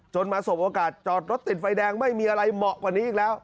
มาสบโอกาสจอดรถติดไฟแดงไม่มีอะไรเหมาะกว่านี้อีกแล้ว